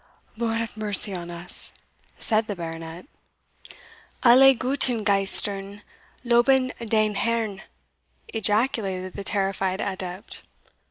"Lord have mercy on us!" said the Baronet. "Alle guten Geistern loben den Herrn!" ejaculated the terrified adept.